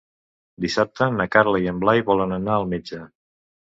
Dissabte na Carla i en Blai volen anar al metge.